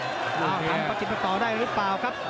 ทำประกิจมาต่อได้หรือเปล่าครับ